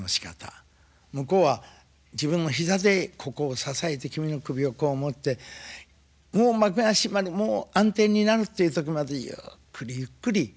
向こうは自分も膝でここを支えて君の首をこう持ってもう幕が閉まるもう暗転になるっていうとこまでゆっくりゆっくり。